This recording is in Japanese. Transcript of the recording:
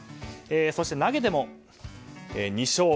そして投げても、２勝。